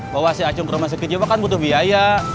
bawa si acung ke rumah sakit jiwa kan butuh biaya